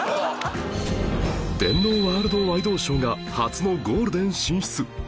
『電脳ワールドワイ動ショー』が初のゴールデン進出！